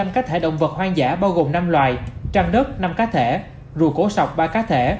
ba mươi năm cá thể động vật hoang dã bao gồm năm loài trăng đất năm cá thể rùa cổ sọc ba cá thể